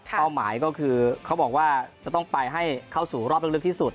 เป้าหมายก็คือเขาบอกว่าจะต้องไปให้เข้าสู่รอบลึกที่สุด